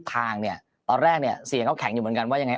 ทางเนี่ยตอนแรกเนี่ยเสียงเขาแข็งอยู่เหมือนกันว่ายังไง